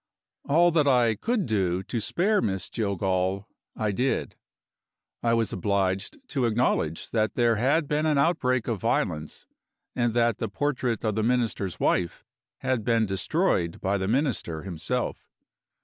All that I could do to spare Miss Jillgall, I did. I was obliged to acknowledge that there had been an outbreak of violence, and that the portrait of the Minister's wife had been destroyed by the Minister himself.